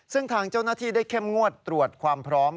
ซึ่งทางเจ้าหน้าที่ได้เข้มงวดตรวจความพร้อม